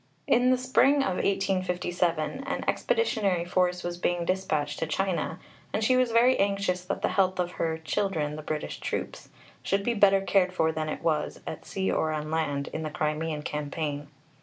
In the spring of 1857, an expeditionary force was being dispatched to China, and she was very anxious that the health of her "children," the British troops, should be better cared for than it was, at sea or on land, in the Crimean Campaign.